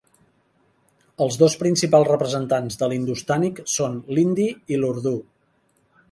Els dos principals representants de l'hindustànic són l'hindi i l'urdú.